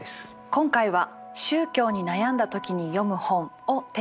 今回は「宗教に悩んだ時に読む本」をテーマに進めていきたいと思います。